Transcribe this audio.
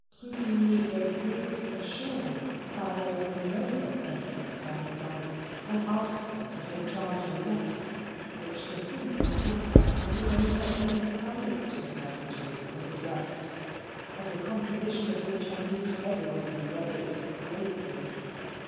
Truffigny gave Briggs a shawl by way of winning over Becky's confidante, and asked her to take charge of a letter which the simple spinster handed over in public to the person to whom it was addressed, and the composition of which amused everybody who read it greatly.